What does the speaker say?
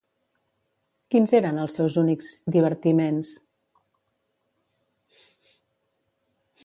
Quins eren els seus únics divertiments?